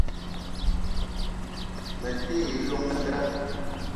Me te yi llong nda